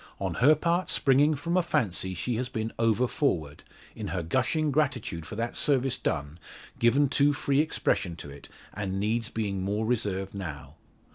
On her part springing from a fancy she has been over forward in her gushing gratitude for that service done, given too free expression to it, and needs being more reserved now.